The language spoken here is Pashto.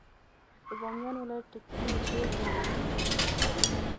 د بامیان ولايت ټکسي ژېړ رنګونه نه وو.